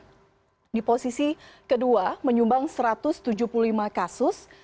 yang di posisi kedua menyumbang satu ratus tujuh puluh lima kasus